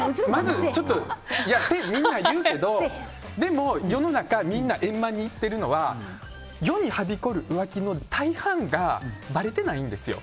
ってみんな言うけどでも、世の中みんな円満にいってるのは世にはびこる浮気の大半がばれてないんですよ。